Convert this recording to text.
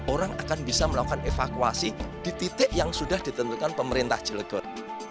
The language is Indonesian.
orang akan bisa melakukan evakuasi di titik yang sudah ditentukan pemerintah cilegon